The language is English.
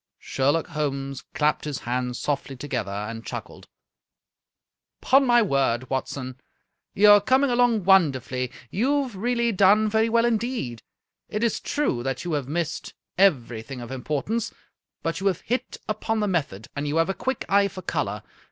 Sherlock Holmes clapped his hands softly together and chuckled. " Ton my word, Watson, you are coming along won derfully. You have really done very well indeed. It is true that you have missed everything of importance, but you have hit upon the method, and you have a quick eye for color.